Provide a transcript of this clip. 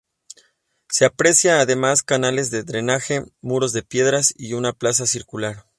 Se aprecia además canales de drenaje, muros de piedras y una plaza circular.